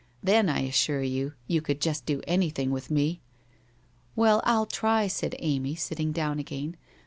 Then, I assure you, you could just do anything with me.' ' Well, I'll try/ said Amy, sitting down again.